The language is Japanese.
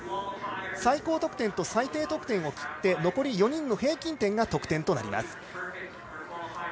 最高得点と最低得点を切って残り４人の平均点が得点となります。